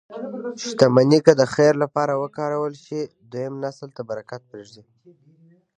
شتمني که د خیر لپاره وکارول شي، دویم نسل ته برکت پرېږدي.